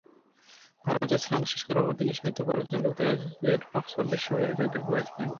ভারতে স্নাতক শেষ করার পরে তিনি সাহিত্য পড়ার জন্য যুক্তরাজ্যের অক্সফোর্ড বিশ্ববিদ্যালয়ে যোগদান করেছিলেন।